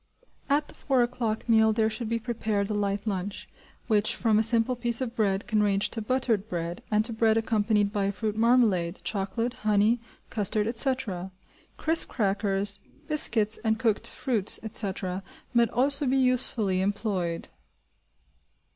At the four o'clock meal there should be prepared a light lunch, which from a simple piece of bread can range to buttered bread, and to bread accompanied by a fruit marmalade, chocolate, honey, custard, etc. Crisp crackers, biscuits, and cooked fruits, etc., might also be usefully employed.